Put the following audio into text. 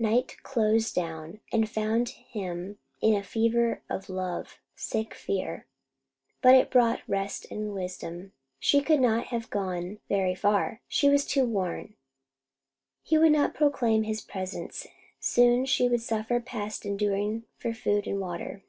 Night closed down, and found him in a fever of love sick fear, but it brought rest and wisdom. She could not have gone very far. She was too worn. He would not proclaim his presence. Soon she would suffer past enduring for food and water.